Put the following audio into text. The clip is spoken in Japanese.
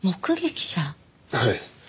はい。